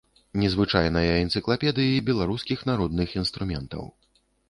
Незвычайная энцыклапедыі беларускіх народных інструментаў.